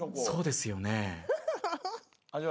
そうですよね。